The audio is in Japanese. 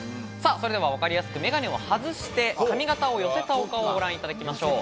それでは、わかりやすく眼鏡を外して、髪形を寄せたお顔をご覧いただきましょう。